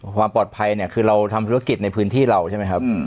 ความปลอดภัยเนี่ยคือเราทำธุรกิจในพื้นที่เราใช่ไหมครับ